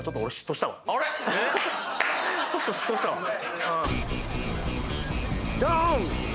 ちょっと嫉妬したわドーン！